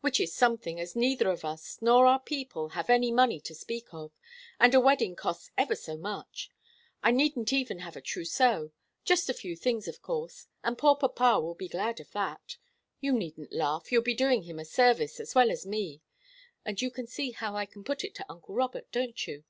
Which is something, as neither of us, nor our people, have any money to speak of, and a wedding costs ever so much. I needn't even have a trousseau just a few things, of course and poor papa will be glad of that. You needn't laugh. You'll be doing him a service, as well as me. And you see how I can put it to uncle Robert, don't you?